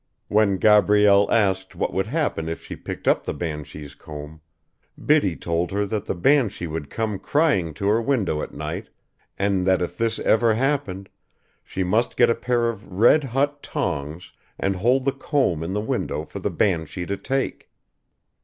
When Gabrielle asked what would happen if she picked up the banshee's comb, Biddy told her that the banshee would come crying to her window at night, and that if this ever happened, she must get a pair of red hot tongs and hold the comb in the window for the banshee to take.